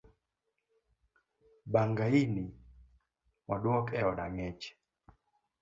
Bangaini oduok eod angech